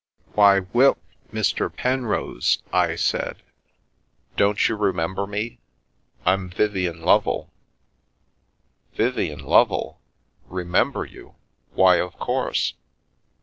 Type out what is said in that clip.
"Why, Wil Mr. Penrose !" I said. "Don't you remember me? I'm Vivien Lovel." " Vivien Lovel ! Remember you ! Why, of course.